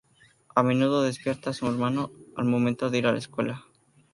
A menudo despierta a su hermano al momento de ir a la escuela.